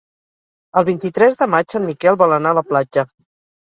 El vint-i-tres de maig en Miquel vol anar a la platja.